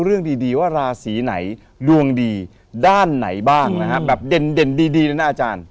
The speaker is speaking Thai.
เรื่องดีว่าราศีไหนดวงดีด้านไหนบ้างนะฮะแบบเด่นดีเลยนะอาจารย์